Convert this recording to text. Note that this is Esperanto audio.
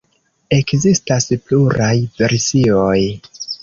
Ekzistas pluraj versioj.